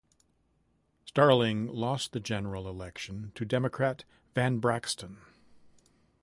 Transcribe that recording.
Starling lost the general election to Democrat Van Braxton.